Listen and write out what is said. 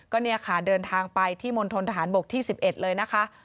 ก็เนี่ยค่ะเดินทางไปที่มณฑนทหารบกที่๑๑เลยนะคะ